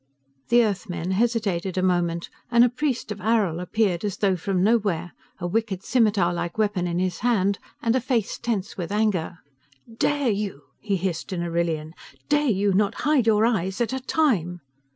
The Earthmen hesitated a moment, and a priest of Arrill appeared as though from nowhere, a wicked scimitar like weapon in his hand and a face tense with anger. "Dare you," he hissed in Arrillian, "dare you not hide your eyes at A Time!"